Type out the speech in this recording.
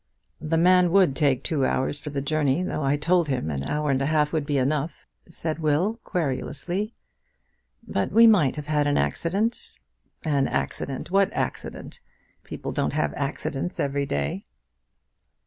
"The man would take two hours for the journey, though I told him an hour and a half would be enough," said Will, querulously. "But we might have had an accident." "An accident! What accident? People don't have accidents every day."